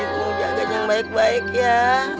kamu jaga yang baik baik ya